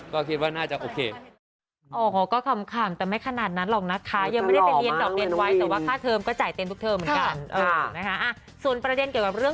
ก็คิดว่าน่าจะโอเค